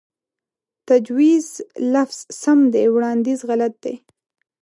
تجويز لفظ سم دے وړانديز غلط دے